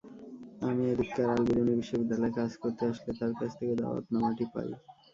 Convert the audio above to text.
আমি এদিককার আলবিরুনি বিশ্ববিদ্যালয়ে কাজ করতে আসলে তাঁর কাছ থেকে দাওয়াতনামাটি পাই।